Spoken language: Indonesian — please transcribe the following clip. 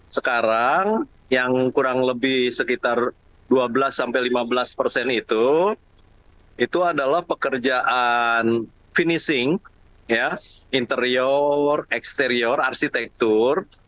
sekarang yang kurang lebih sekitar dua belas sampai lima belas persen itu itu adalah pekerjaan finishing interior exterior arsitektur